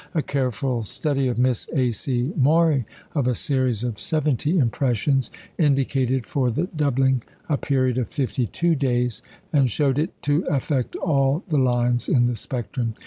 A careful study of Miss A. C. Maury of a series of seventy impressions indicated for the doubling a period of fifty two days, and showed it to affect all the lines in the spectrum.